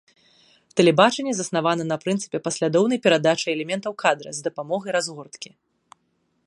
Тэлебачанне заснавана на прынцыпе паслядоўнай перадачы элементаў кадра з дапамогай разгорткі.